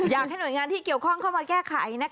อยากให้หน่วยงานที่เกี่ยวข้องเข้ามาแก้ไข